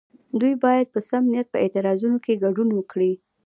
دوی باید په سم نیت په اعتراضونو کې ګډون وکړي.